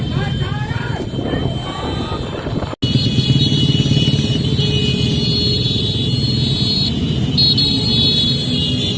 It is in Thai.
สุดท้ายสุดท้ายสุดท้ายสุดท้าย